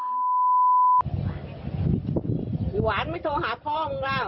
หวานไม่โทรหาพ่อมึงแล้ว